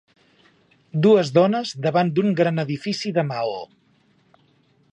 Dues dones davant d'un gran edifici de maó.